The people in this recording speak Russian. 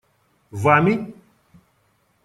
Вами?